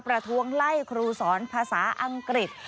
ประท้วงไล่ครูสอนภาษาอังกฤษ